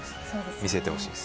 見せてほしいです。